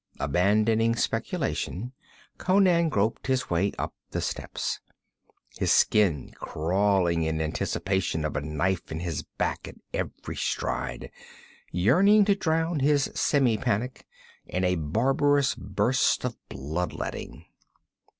Abandoning speculation, Conan groped his way up the steps, his skin crawling in anticipation of a knife in his back at every stride, yearning to drown his semi panic in a barbarous burst of blood letting.